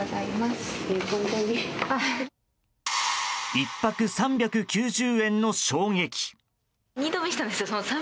１泊３９０円の衝撃。